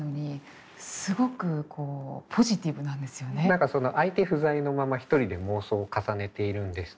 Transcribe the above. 何かその相手不在のまま一人で妄想を重ねているんです。